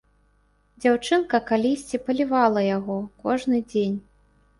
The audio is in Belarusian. Дзяўчынка калісьці палівала яго кожны дзень.